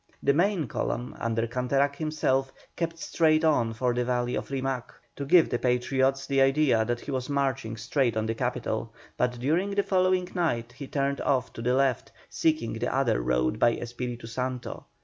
The main column, under Canterac himself, kept straight on for the valley of Rimac, to give the Patriots the idea that he was marching straight on the capital; but during the following night he turned off to the left, seeking the other road by Espiritu Santo.